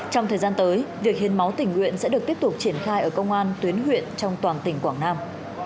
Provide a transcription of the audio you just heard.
trong thời gian tới việc hiến máu tình nguyện sẽ được tiếp tục triển khai ở công an tuyến huyện trong toàn tỉnh quảng nam